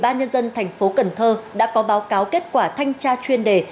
ủy ban nhân dân thành phố cần thơ đã có báo cáo kết quả thanh tra chuyên đề